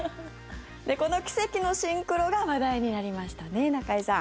この奇跡のシンクロが話題になりましたね、中居さん。